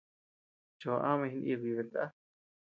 Choʼo amañ jinikuy betná.